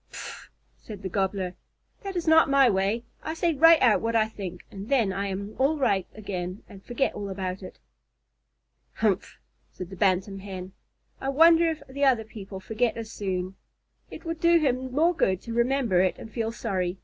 "Pffff!" said the Gobbler. "That is not my way. I say right out what I think, and then I am all right again and forget all about it." "Humph!" said the Bantam Hen. "I wonder if the other people forget as soon? It would do him more good to remember it and feel sorry.